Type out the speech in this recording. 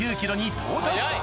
到達